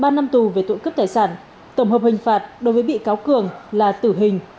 ba năm tù về tội cướp tài sản tổng hợp hình phạt đối với bị cáo cường là tử hình